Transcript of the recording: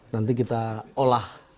nanti kita olah